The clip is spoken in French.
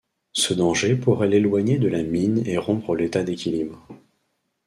Ce danger pourrait l'éloigner de la mine et rompre l'état d'équilibre.